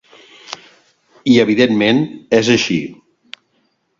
I, evidentment, és així.